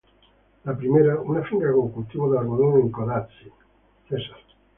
La primera: una finca con cultivos de algodón en Codazzi, Cesar.